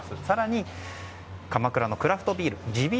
更に鎌倉のクラフトビール地